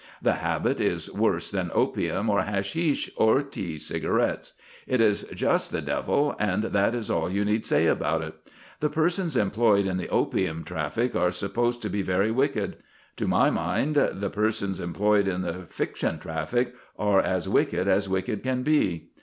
The habit is worse than opium or haschisch or tea cigarettes. It is just the devil, and that is all you need say about it. The persons employed in the opium traffic are supposed to be very wicked. To my mind, the persons employed in the fiction traffic are as wicked as wicked can be.